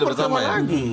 itu percuma lagi